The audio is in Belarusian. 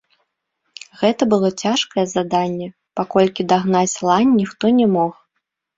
Гэта было цяжкае заданне, паколькі дагнаць лань, ніхто не мог.